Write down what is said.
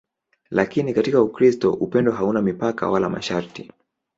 Lakini katika Ukristo upendo hauna mipaka wala masharti.